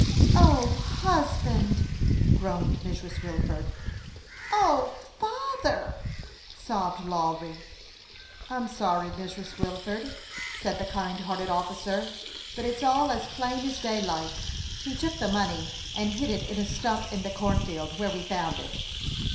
" O, husband !" groaned Mrs. Wilford. " O, father !" sobbed Lawry. " I'm sorry, Mrs. Wilford," said the kind hearted officer; "but it's all as plain as daylight. He took, the money and hid it in a stump in the cornfield, where we found it."